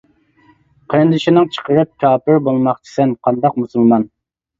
قېرىندىشىڭ چىقىرىپ كاپىر، بولماقچىسەن قانداق مۇسۇلمان.